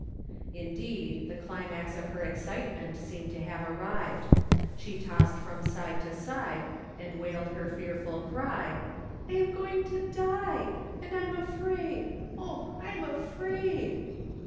Indeed, the climax of her excitement seemed to have arrived. She tossed from side to side, and wailed her fearful cry :" I am going to die, and I'm afraid ! oh, I'm afraid